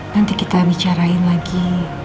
nanti kita bicarain lagi